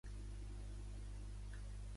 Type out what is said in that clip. Clergat, noblesa i ciutats.